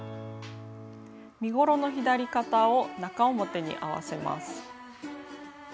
身ごろの左肩を中表に合わせます。